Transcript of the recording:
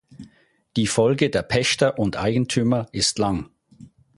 Die Folge der Pächter und Eigentümer ist lang.